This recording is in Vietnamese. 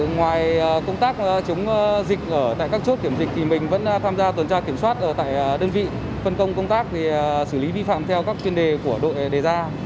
ngoài công tác chống dịch ở tại các chốt kiểm dịch thì mình vẫn tham gia tuần tra kiểm soát ở tại đơn vị phân công công tác xử lý vi phạm theo các chuyên đề của đội đề ra